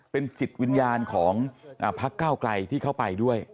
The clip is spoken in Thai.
เป็นจิตวิญญาณของพักเก้าไกลที่เขาไปด้วย